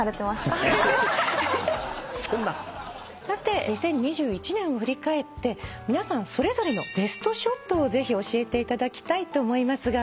さて２０２１年を振り返って皆さんそれぞれのベストショットをぜひ教えていただきたいと思います。